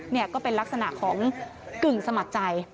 นี่ก็เป็นลักษณะของกึ่งสมัครใจ